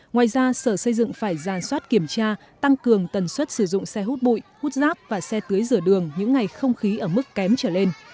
ngoài ra sở xây dựng phải ra soát kiểm tra tăng cường tần suất sử dụng xe hút bụi hút rác và xe tưới rửa đường những ngày không khí ở mức kém trở lên